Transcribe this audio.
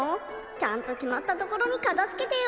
ちゃんときまったところにかたづけてよ。